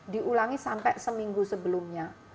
diulangi sampai seminggu sebelumnya